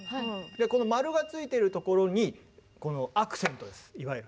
このマルがついてるところにこのアクセントですいわゆる。